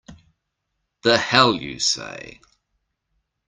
The hell you say!